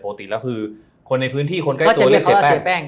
ปกติแล้วคือคนในพื้นที่คนใกล้ตัวเรียกเสียแป้งเสียแป้ง